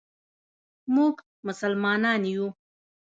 مونږ مسلمانان یو.